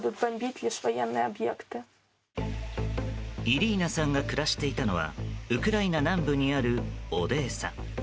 イリーナさんが暮らしていたのはウクライナ南部にあるオデーサ。